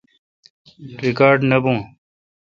ریکاڑ نہ بھون